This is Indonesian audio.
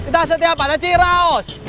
kita setiap hari ada cirewas